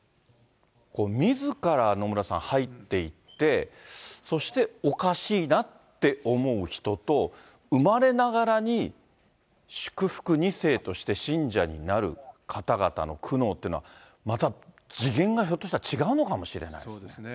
みずから野村さん入っていって、そしておかしいなって思う人と、生まれながらに祝福２世として信者になる方々の苦悩っていうのは、また次元がひょっとしたら違うのかもしれないですね。